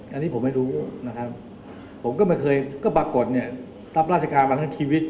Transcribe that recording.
อันนี้ผมไม่รู้นะครับผมก็ไม่เคยก็ปรากฏเนี่ยรับราชการมาทั้งชีวิต